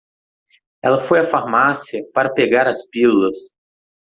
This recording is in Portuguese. Ela foi à farmácia para pegar as pílulas.